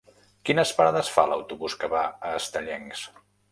Quines parades fa l'autobús que va a Estellencs?